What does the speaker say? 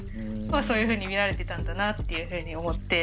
そういうふうに見られてたんだなっていうふうに思って。